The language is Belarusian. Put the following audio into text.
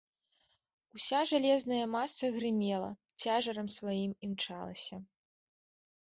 Уся жалезная маса грымела, цяжарам сваім імчалася.